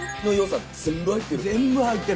全部入ってる。